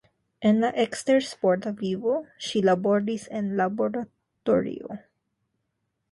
En la ekstersporta vivo ŝi laboris en laboratorio.